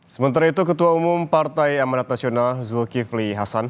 sementara itu ketua umum partai amanat nasional zulkifli hasan